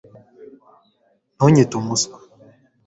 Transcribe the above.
Ntunyite umuswa